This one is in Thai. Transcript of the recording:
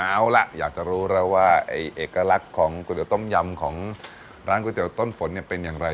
เอาล่ะอยากจะรู้แล้วว่าเอกลักษณ์ของก๋วยเตี๋ต้มยำของร้านก๋วยเตี๋ยต้นฝนเนี่ยเป็นอย่างไร